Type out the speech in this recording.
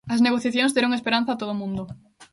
As negociacións deron esperanza a todo o mundo.